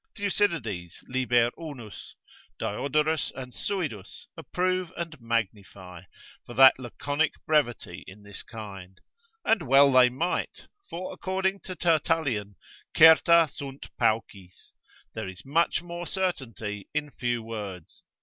Thucydides, lib. 1, Diodorus and Suidus approve and magnify, for that laconic brevity in this kind; and well they might, for, according to Tertullian, certa sunt paucis, there is much more certainty in fewer words.